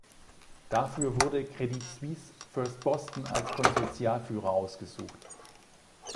Dafür wurde Credit Suisse First Boston als Konsortialführer ausgesucht.